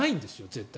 絶対。